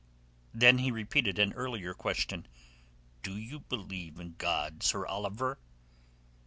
Then he repeated an earlier question. "Do you believe in God, Sir Oliver?"